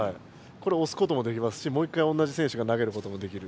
これ押すこともできますしもう一回同じ選手が投げることもできる。